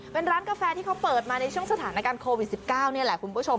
เป็นร้านกาแฟที่เขาเปิดมาในช่วงสถานการณ์โควิด๑๙นี่แหละคุณผู้ชม